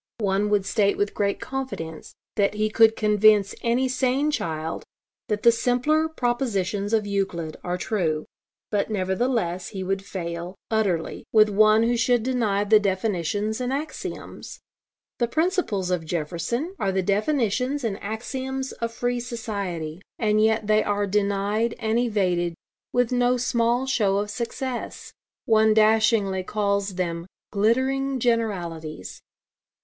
One would state with great confidence that he could convince any sane child that the simpler propositions of Euclid are true; but nevertheless he would fail, utterly, with one who should deny the definitions and axioms. The principles of Jefferson are the definitions and axioms of free society. And yet they are denied and evaded, with no small show of success. One dashingly calls them 'glittering generalities.'